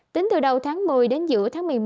tính từ đầu tháng một mươi đến giữa tháng một mươi một